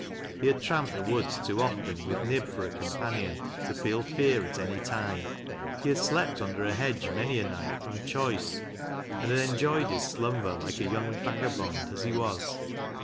He had tramped the woods too often with Nib for a compan ion to feel fear at any time. He had slept under a hedge many a night from choice, and had enjoyed his slumber like a young vagabond, as he was.